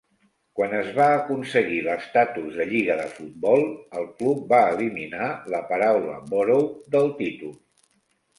Quan es va aconseguir l'estatus de lliga de futbol, el club va eliminar la paraula "Borough" del títol.